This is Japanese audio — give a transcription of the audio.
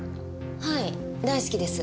はい大好きです。